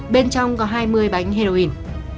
bên trong có hai mươi bánh heroin